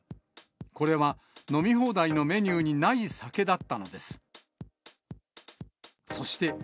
これは飲み放題のメニューにない酒だったのです。